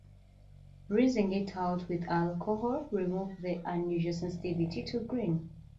Rinsing it out with alcohol removed the unusual sensitivity to green.